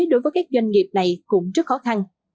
đối với các doanh nghiệp này cũng rất khó khăn